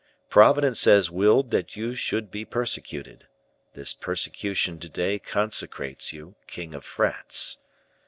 Providence has willed that you should be persecuted; this persecution to day consecrates you king of France.